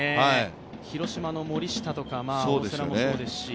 広島の森下とか大瀬良もそうですし。